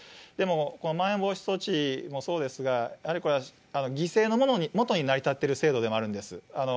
でもまん延防止措置もそうですが、やはりこれは犠牲の下に成り立っている制度でもあるんです。